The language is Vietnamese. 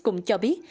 cũng cho biết